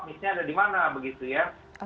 misalnya ada dimana begitu ya